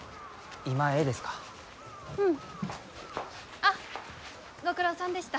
あっご苦労さんでした。